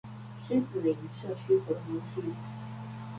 獅子林社區活動中心